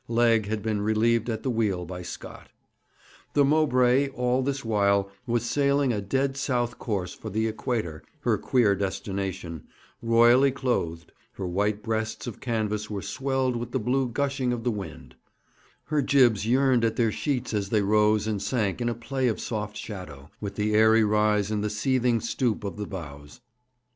Legg had been relieved at the wheel by Scott. The Mowbray, all this while, was sailing a dead south course for the Equator her queer destination royally clothed; her white breasts of canvas were swelled with the blue gushing of the wind; her jibs yearned at their sheets as they rose and sank in a play of soft shadow, with the airy rise and the seething stoop of the bows.